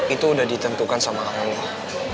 itu sudah ditentukan sama allah